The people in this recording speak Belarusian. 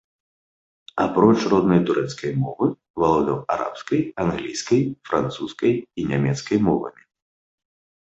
Апроч роднай турэцкай мовы, валодаў арабскай, англійскай, французскай і нямецкай мовамі.